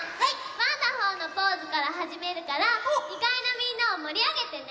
ワンダホーのポーズからはじめるから２かいのみんなをもりあげてね！